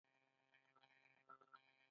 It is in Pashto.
بهرنيو جامو پر واردولو او پلورلو